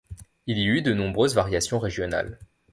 Il y eut de nombreuses variations régionales.